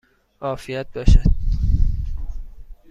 عافیت باشد!